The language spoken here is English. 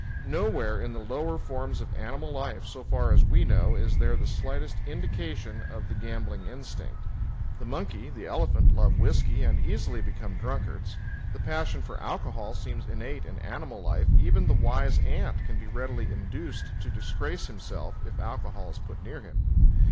Nowhere in the lower forms of animal life, so far as we know, is there the slightest indication of the gambling instinct. The monkey, the elephant, love whiskey, and easily become drunkards. The passion for alcohol seems innate in animal life; even the wise ant can be readily induced to disgrace himself if alcohol is put near him.